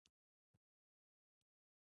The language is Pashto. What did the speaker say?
زموږ کور انګړ لري